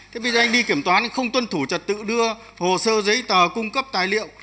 thế bây giờ anh đi kiểm toán thì không tuân thủ trật tự đưa hồ sơ giấy tờ cung cấp tài liệu